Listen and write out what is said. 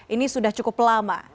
ini sudah cukup lama